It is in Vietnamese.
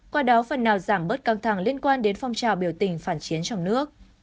qua đó phần nào giảm bớt căng thẳng liên quan đến phong trào biểu tình phản chiến trong nước